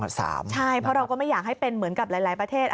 ใช่เพราะเราก็ไม่อยากให้เป็นเหมือนกับหลายประเทศ